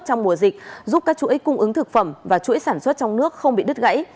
trong mùa dịch giúp các chuỗi cung ứng thực phẩm và chuỗi sản xuất trong nước không bị đứt gãy